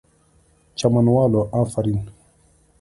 چمن والو آفرین!!